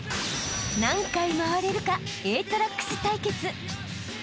［何回回れるかＡトラックス対決］